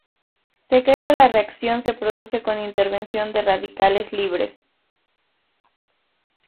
Se cree que la reacción se produce con intervención de radicales libres.